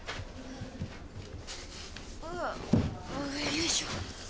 よいしょ。